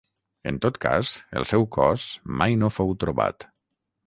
En tot cas, el seu cos mai no fou trobat.